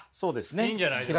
いいんじゃないですか。